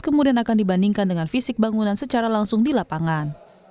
kemudian akan dibandingkan dengan fisik bangunan secara langsung di lapangan